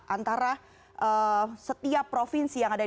antara setiap provinsi yang ada di jawa